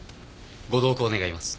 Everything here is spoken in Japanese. ご同行願います。